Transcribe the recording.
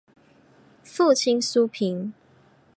父亲苏玭。